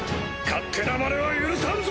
勝手なまねは許さん！